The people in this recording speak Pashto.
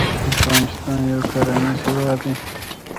افغانستان يو کرنيز هېواد دی.